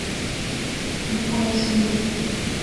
この課題しんどい